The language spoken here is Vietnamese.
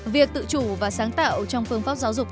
việc tự chủ và sáng tạo trong phương pháp giáo dục